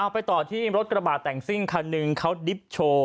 ไปต่อที่รถกระบาดแต่งซิ่งคันหนึ่งเขาดิบโชว์